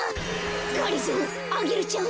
がりぞーアゲルちゃん。